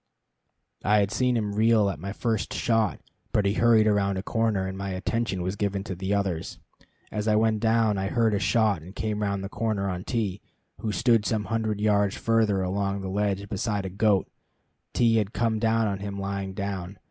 I had seen him reel at my first shot, but he hurried around a corner, and my attention was given to others. As I went down, I heard a shot, and came round the corner on T , who stood some hundred yards further along the ledge beside a goat. T had come on him lying down.